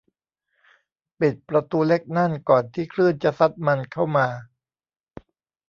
ปิดประตูเล็กนั่นก่อนที่คลื่นจะซัดมันเข้ามา